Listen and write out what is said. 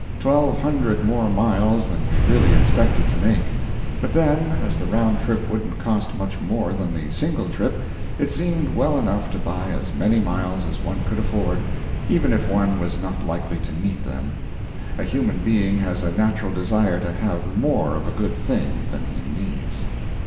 Twelve hundred more miles than we really expected to make; but then as the round trip wouldn't cost much more than the single trip, it seemed well enough to buy as many miles as one could afford, even if one was not likely to need them. A human being has a natural desire to have more of a good thing than he needs.